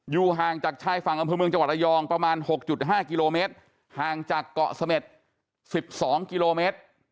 ห่างจากชายฝั่งอำเภอเมืองจังหวัดระยองประมาณ๖๕กิโลเมตรห่างจากเกาะเสม็ด๑๒กิโลเมตร